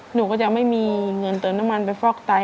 หนูก็จะไม่มีเงินเติมน้ำมันไปฟอกไต